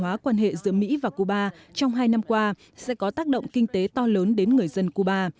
hóa quan hệ giữa mỹ và cuba trong hai năm qua sẽ có tác động kinh tế to lớn đến người dân cuba